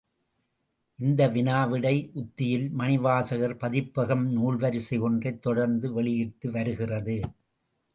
இந்த வினா விடை உத்தியில் மணிவாசகர் பதிப்பகம் நூல்வரிசை ஒன்றைத் தொடர்ந்து வெளியிட்டு வருகிறது.